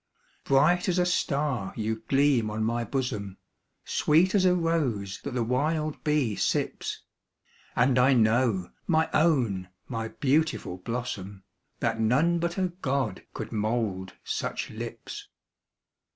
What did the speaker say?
Bright as a star you gleam on my bosom, Sweet as a rose that the wild bee sips; And I know, my own, my beautiful blossom, That none but a God could mould such lips.